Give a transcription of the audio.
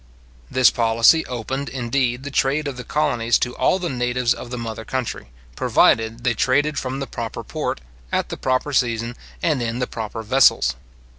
This policy opened, indeed, the trade of the colonies to all the natives of the mother country, provided they traded from the proper port, at the proper season, and in the proper vessels.